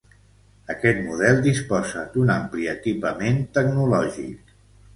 Aquest model disposa d'un ampli equipament tecnològic.